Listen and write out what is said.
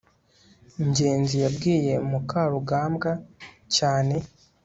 ngenzi yabwiye mukarugambwa cyane